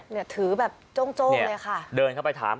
เนี่ยถือแบบโจ้งเลยค่ะ